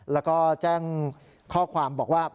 แล้วก็แจ้งข้อความบอกว่า